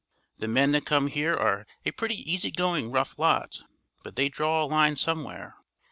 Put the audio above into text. The men that come here are a pretty easy going rough lot, but they draw a line somewhere.